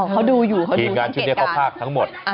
เขาดูอยู่เขาดูเกตการ